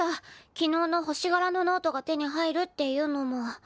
昨日の星がらのノートが手に入るっていうのも。